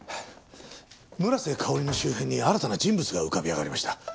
村瀬香織の周辺に新たな人物が浮かび上がりました。